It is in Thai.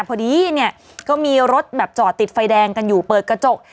พอดีเนี่ยก็มีรถแบบจอดติดไฟแดงกันอยู่เปิดกระจก